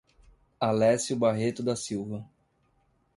Alecio Barreto da Silva